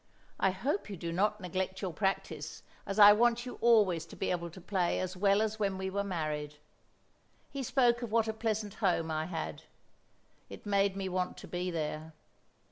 I hope you do not neglect your practice, as I want you always to be able to play as well as when we were married. He spoke of what a pleasant home I had; it made me want to be there.